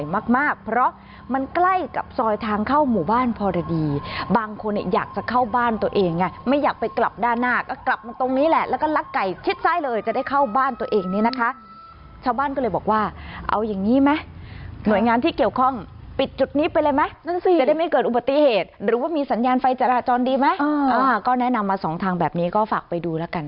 มากมากเพราะมันใกล้กับซอยทางเข้าหมู่บ้านพอดีบางคนเนี่ยอยากจะเข้าบ้านตัวเองไงไม่อยากไปกลับด้านหน้าก็กลับมาตรงนี้แหละแล้วก็ลักไก่ชิดซ้ายเลยจะได้เข้าบ้านตัวเองเนี่ยนะคะชาวบ้านก็เลยบอกว่าเอาอย่างนี้ไหมหน่วยงานที่เกี่ยวข้องปิดจุดนี้ไปเลยไหมนั่นสิจะได้ไม่เกิดอุบัติเหตุหรือว่ามีสัญญาณไฟจราจรดีไหมก็แนะนำมาสองทางแบบนี้ก็ฝากไปดูแล้วกัน